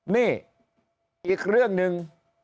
นี่อีกเรื่องหนึ่ง